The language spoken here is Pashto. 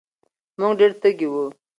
مونږ ډېر تږي وو